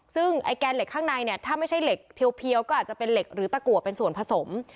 ซึ่งไอ้แกนเหล็กข้างในเนี่ยถ้าไม่ใช่เหล็กเพียวก็อาจจะเป็นเหล็กหรือตะกัวเป็นส่วนผสม